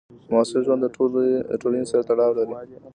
د محصل ژوند د ټولنې سره تړاو لري.